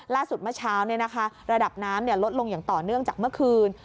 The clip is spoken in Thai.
ล่าสุดเมื่อเช้าเนี่ยนะคะระดับน้ำเนี่ยลดลงอย่างต่อเนื่องจากเมื่อคืน